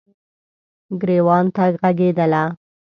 ګریوان ته ږغیدله